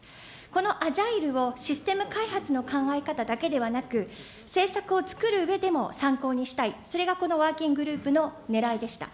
このアジャイルをシステム開発の考え方だけでなく、政策を作るうえでも参考にしたい、それがこのワーキンググループのねらいでした。